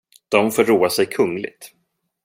De får roa sig kungligt.